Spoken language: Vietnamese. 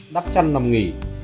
đắp chăn nằm nghỉ